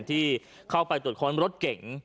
ที่เข้าไปตรวจค้นรถเก๋ง